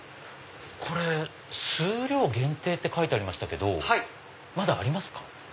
数量限定と書いてありましたけどまだありますか？